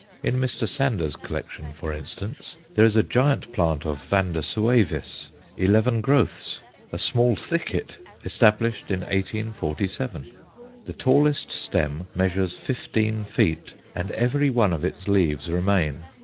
In Mr. Sander's collection, for instance, there is a giant plant of Vanda suavis, eleven growths, a small thicket, established in 1847. The tallest stem measures fifteen feet, and every one of its leaves remain.